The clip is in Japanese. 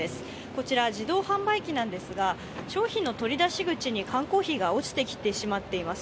こちら、自動販売機なんですが商品の取り出し口に缶コーヒーが落ちてきてしまっています。